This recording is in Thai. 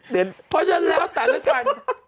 เพราะฉะนั้นแล้วแต่ละกัน